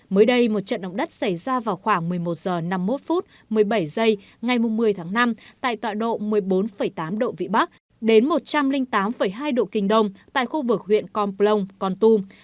mới đây một trận động đất xảy ra vào khoảng một mươi một h năm mươi một một mươi bảy giây ngày một mươi tháng năm tại tọa độ một mươi bốn tám độ vĩ bắc đến một trăm linh tám hai độ kinh đông tại khu vực huyện con plong con tum